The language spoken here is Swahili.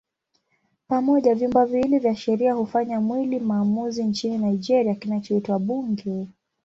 Pamoja vyumba viwili vya sheria hufanya mwili maamuzi nchini Nigeria kinachoitwa Bunge.